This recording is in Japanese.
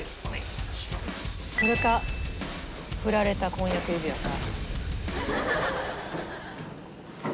それかフラれた婚約指輪か。